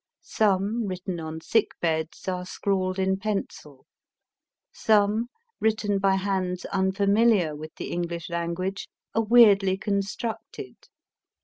Some, written on sick beds, are scrawled in pencil. Some, written by hands unfamiliar with the English language, are weirdly constructed.